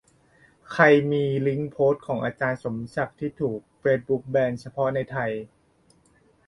ใครมีลิงก์โพสต์ของอาจารย์สมศักดิ์ที่ถูกเฟซบุ๊กแบน เฉพาะในไทย